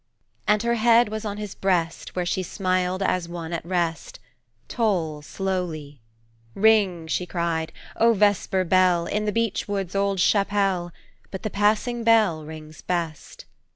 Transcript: "And her head was on his breast, where she smiled as one at rest, Toll slowly. 'Ring,' she cried, 'O vesper bell, in the beech wood's old chapelle!' But the passing bell rings best!